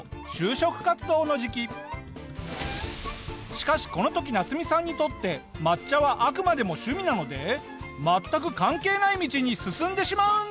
しかしこの時ナツミさんにとって抹茶はあくまでも趣味なので全く関係ない道に進んでしまうんだ！